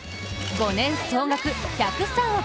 ５年総額１０３億！